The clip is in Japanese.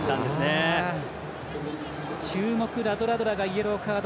注目、ラドラドラがイエローカード。